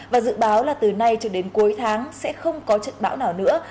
và dự báo là từ nay cho đến cuối tháng sẽ không có trận bão nào nữa